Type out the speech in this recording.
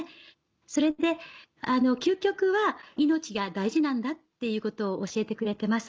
それって究極は命が大事なんだっていうことを教えてくれてます。